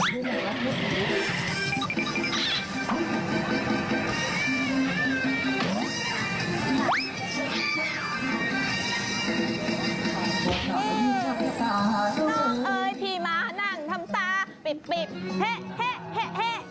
นี่น้องเอ๋ยพี่มานั่งทำตาปิบปิบเฮะเฮะเฮะเฮะ